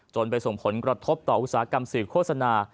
ไปส่งผลกระทบต่ออุตสาหกรรมสื่อโฆษณา